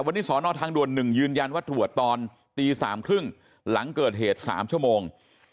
วันนี้สอนอทางด่วน๑ยืนยันว่าตรวจตอนตี๓๓๐หลังเกิดเหตุ๓ชั่วโมง